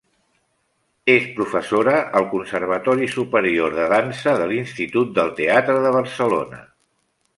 És professora al Conservatori Superior de Dansa de l'Institut del Teatre de Barcelona.